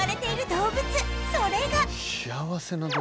それが